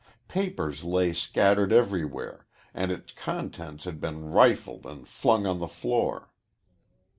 Papers lay scattered everywhere and its contents had been rifled and flung on the floor.